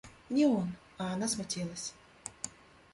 Не он, а она смутилась.